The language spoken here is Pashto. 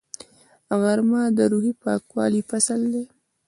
غرمه د روحي پاکوالي فصل دی